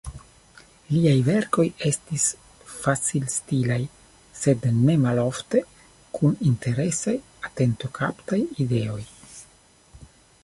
Liaj verkoj estis facilstilaj, sed nemalofte kun interesaj, atentokaptaj ideoj.